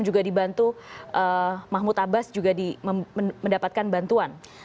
juga dibantu mahmud abbas juga mendapatkan bantuan